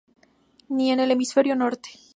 Ni en el hemisferio Norte.